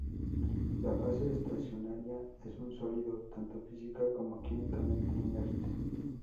La fase estacionaria es un sólido tanto física como químicamente inerte.